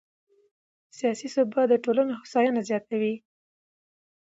سیاسي ثبات د ټولنې هوساینه زیاتوي